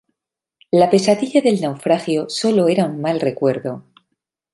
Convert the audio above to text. La pesadilla del naufragio sólo era un mal recuerdo.